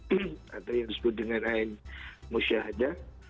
fisik atau yang disebut dengan air musyahadah